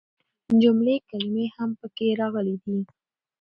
جملې ،کلمې هم پکې راغلي دي.